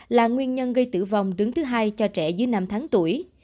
là nguyên nhân gây tử vong đứng thứ hai cho trẻ dưới năm tháng tuổi